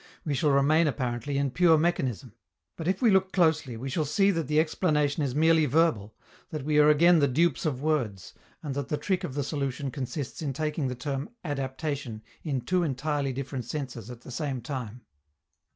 We shall remain, apparently, in pure mechanism. But if we look closely, we shall see that the explanation is merely verbal, that we are again the dupes of words, and that the trick of the solution consists in taking the term "adaptation" in two entirely different senses at the same time.